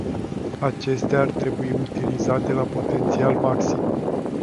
Acestea ar trebui utilizate la potențial maxim.